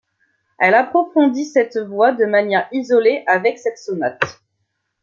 Elle approfondit cette voie de manière isolée avec cette sonate.